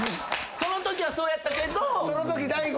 そのときはそうやったけど。